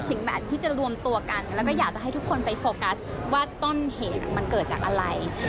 แมทที่จะรวมตัวกันแล้วก็อยากจะให้ทุกคนไปโฟกัสว่าต้นเหตุมันเกิดจากอะไร